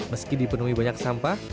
meski dipenuhi banyak sampah